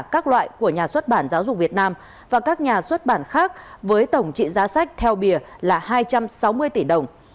các loại của nhà xuất bản giáo dục việt nam và các nhà xuất bản khác với tổng trị giá sách theo bìa là hai trăm sáu mươi tỷ đồng